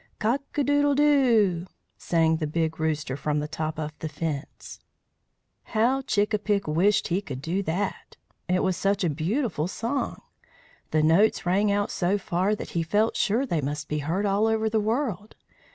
"Cock a doodle doo!" sang the Big Rooster from the top of the fence. How Chick a pick wished he could do that! It was such a beautiful song. The notes rang out so far that he felt sure they must be heard all over the world.